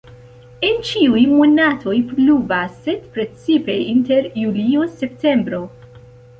En ĉiuj monatoj pluvas, sed precipe inter julio-septembro.